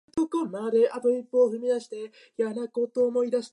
真っすぐ行って、次、横の動きを使いました。